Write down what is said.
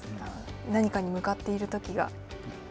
何かに向かっているときが。